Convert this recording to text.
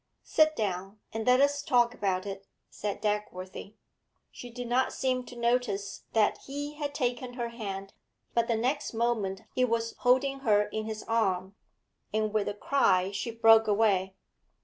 'Sit down, and let us talk about it,' said Dagworthy. She did not seem to notice that he had taken her hand; but the next moment he was holding her in his arm, and with a cry she broke away.